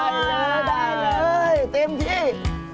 ได้เลยเตรียมที่